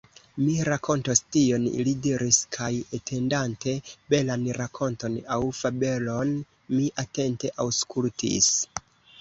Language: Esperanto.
Mi rakontos tion, li diris, kaj atendante belan rakonton aŭ fabelon, mi atente aŭskultis.